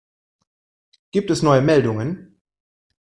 Gibt es neue Meldungen?